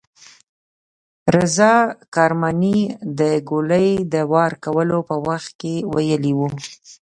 رضا کرماني د ګولۍ د وار کولو په وخت کې ویلي وو.